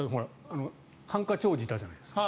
ハンカチ王子がいたじゃないですか。